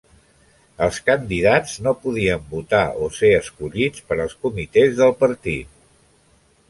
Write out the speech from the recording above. Els candidats no podien votar o ser escollits per als comitès del Partit.